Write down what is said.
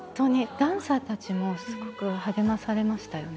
ダンサーたちもすごく励まされましたよね。